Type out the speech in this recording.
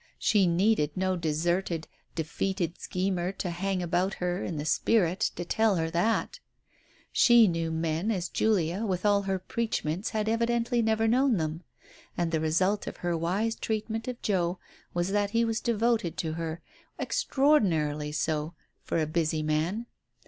She needed no deserted, defeated schemer to hang about her, in the spirit, to tell her that ! She knew men as Julia with all her preachments had evidently never known them, and the result of her wise treatment of Joe was that he was devoted to her, extraordinarily so, for a busy man.